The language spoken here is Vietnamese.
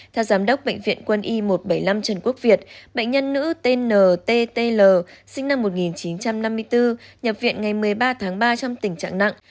theo giám đốc bệnh viện quân y một trăm bảy mươi năm trần quốc việt bệnh nhân nữ tnttl sinh năm một nghìn chín trăm năm mươi bốn nhập viện ngày một mươi ba tháng ba trong tình trạng nặng